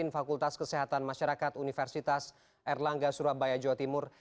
fakultas kesehatan masyarakat universitas erlangga surabaya jawa timur